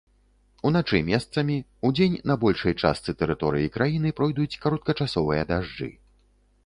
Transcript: Уначы месцамі, удзень на большай частцы тэрыторыі краіны пройдуць кароткачасовыя дажджы.